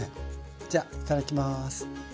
じゃあいただきます。